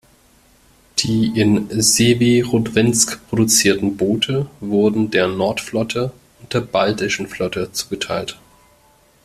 Die in Sewerodwinsk produzierten Boote wurden der Nordflotte und der Baltischen Flotte zugeteilt.